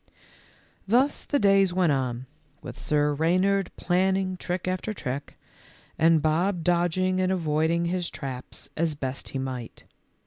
Thus the days went on, with Sir Reynard planning trick after trick, and Bob dodging and avoiding his traps as best he might.